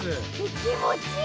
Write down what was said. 気持ちいい！